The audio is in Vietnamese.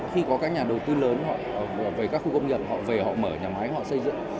khi có các nhà đầu tư lớn họ về các khu công nghiệp họ về họ mở nhà máy họ xây dựng